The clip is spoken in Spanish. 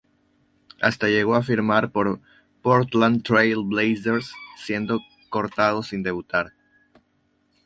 Hasta llegó a firmar por Portland Trail Blazers siendo cortado sin debutar.